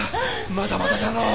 まだまだじゃのう。